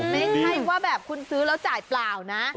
ไม่ใช่ว่าแบบคุณซื้อแล้วจ่ายเปล่านะ